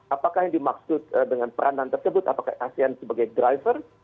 apakah yang dimaksud dengan peranan tersebut apakah asean sebagai driver